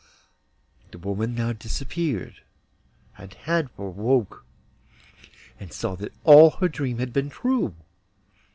The woman now disappeared, and Hadvor woke, and saw that all her dream had been true.